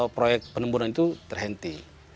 proyek penembunan itu terhenti